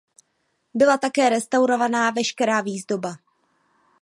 Byla také restaurována veškerá výzdoba.